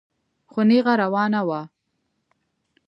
خو نېغه روانه وه.